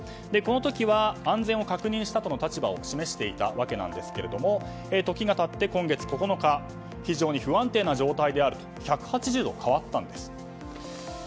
この時は安全を確認したとの立場を示していたわけなんですが時が経って今月９日非常に不安定な状態であると１８０度変わったんです。